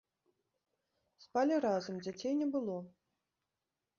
Спалі разам, дзяцей не было.